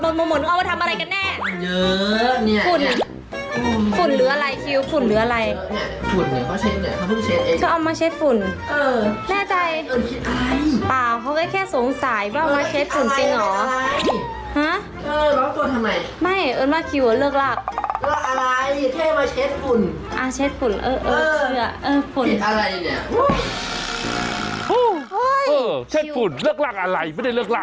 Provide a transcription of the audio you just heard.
อันนี้เขาแกะหอใหม่มันก็มาอยู่ตรงนี้อีกแล้วอ่ะ